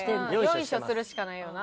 よいしょするしかないよな。